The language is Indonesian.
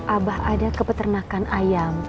abah ada kepeternakan ayam